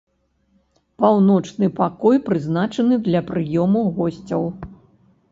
Паўночны пакой прызначаны для прыёму госцяў.